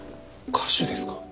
歌手ですか。